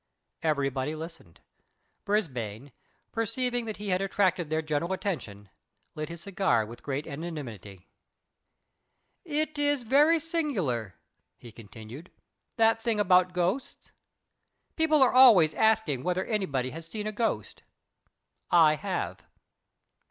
Everybody listened. Brisbane, perceiving that he had attracted their general attention, lit his cigar with great equanimity. "It is very singular," he continued, "that thing about ghosts. People are always asking whether anybody has seen a ghost. I have."